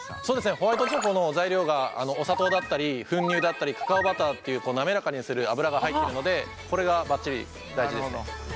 ホワイトチョコの材料がお砂糖だったり粉乳だったりカカオバターっていう滑らかにする脂が入ってるのでこれがばっちり大事ですね。